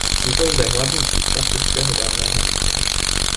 Vznikl zde hlavní přístav ruského Dálného východu.